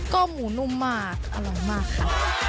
ก็หมูนุ่มมากอร่อยมากค่ะ